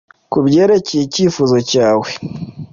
Kubyerekeye icyifuzo cyawe